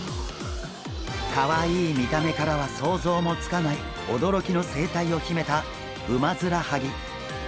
かわいい見た目からは想像もつかない驚きの生態を秘めたウマヅラハギ。